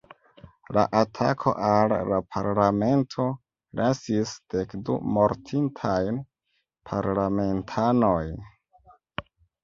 La atako al la Parlamento lasis dek du mortintajn parlamentanojn.